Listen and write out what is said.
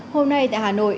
hôm nay tại hà nội